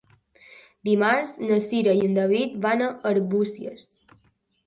Dimarts na Cira i en David van a Arbúcies.